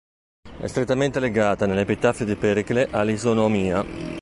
È strettamente legata nell'Epitaffio di Pericle all'isonomia.